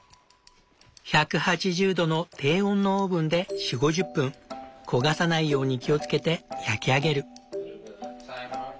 １８０度の低温のオーブンで４０５０分焦がさないように気を付けて焼き上げる。